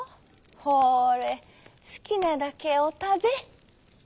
ほれすきなだけおたべ」。